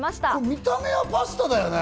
見た目はパスタだね。